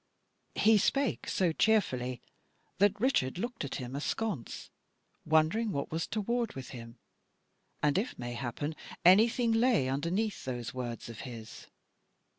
He spake so cheerfully that Richard looked at him askance, wondering what was toward with him, and if mayhappen anything lay underneath those words of his.